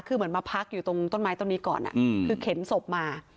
คือเหมือนมาพักอยู่ตรงต้นไม้ต้นนี้ก่อนคือเข็นศพมา